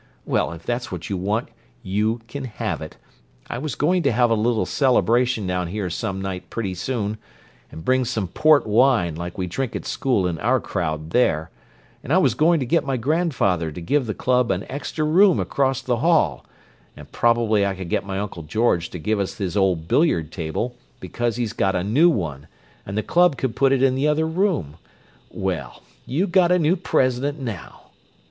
Well, if that's what you want, you can have it. I was going to have a little celebration down here some night pretty soon, and bring some port wine, like we drink at school in our crowd there, and I was going to get my grandfather to give the club an extra room across the hall, and prob'ly I could get my Uncle George to give us his old billiard table, because he's got a new one, and the club could put it in the other room. Well, you got a new president now!"